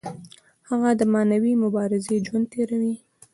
هغه د معنوي مبارزې ژوند تیروي.